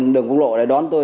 đường quốc lộ đón tôi